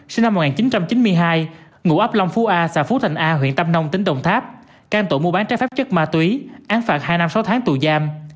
sinh năm một nghìn chín trăm chín mươi hai ngụ ấp long phú a xã phú thành a huyện tâm nông tỉnh đồng tháp can tội mua bán trái phép chất ma túy án phạt hai năm sáu tháng tù giam